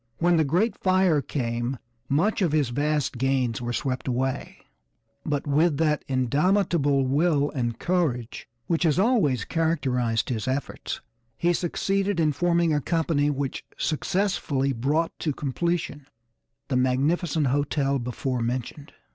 When the great fire came much of his vast gains were swept away, but with that indomitable will and courage which has always characterized his efforts, he succeeded in forming a company which successfully brought to completion the magnificent hotel before mentioned.